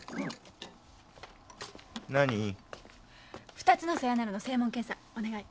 ２つの「さよなら」の声紋検査お願い。